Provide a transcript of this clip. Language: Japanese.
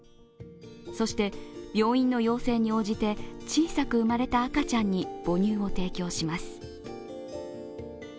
そして、病院の要請に応じて小さく生まれた赤ちゃんに母乳を提供します。